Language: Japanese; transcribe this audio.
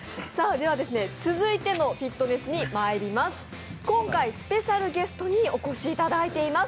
続いてのフィットネスにまいります。